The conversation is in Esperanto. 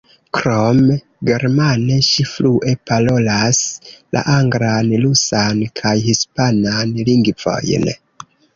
Krom germane, ŝi flue parolas la anglan, rusan kaj hispanan lingvojn.